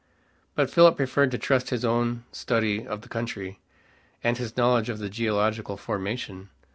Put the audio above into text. But Philip preferred to trust to his own study of the country, and his knowledge of the geological formation.